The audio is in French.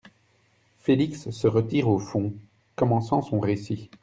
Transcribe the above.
Félix se retire au fond ; commençant son récit.